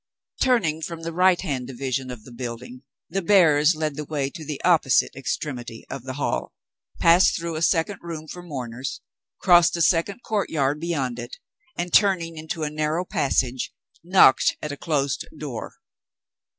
Turning from the right hand division of the building, the bearers led the way to the opposite extremity of the hall; passed through a second room for mourners; crossed a second courtyard beyond it; and, turning into a narrow passage, knocked at a closed door.